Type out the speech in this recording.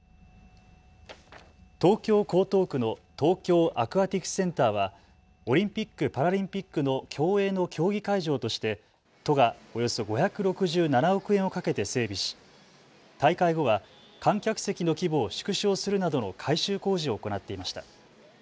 東京江東区の東京アクアティクスセンターはオリンピック・パラリンピックの競泳の競技会場として都がおよそ５６７億円をかけて整備し、大会後は観客席の規模を縮小するなどの改修工事を行なっていました。